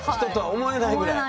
思えないぐらい。